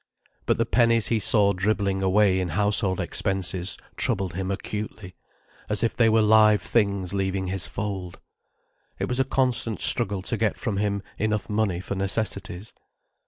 But the pennies he saw dribbling away in household expenses troubled him acutely, as if they were live things leaving his fold. It was a constant struggle to get from him enough money for necessities.